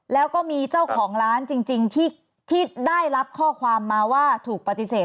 แล้วก็มีเจ้าของร้านจริงที่ได้รับข้อความมาว่าถูกปฏิเสธ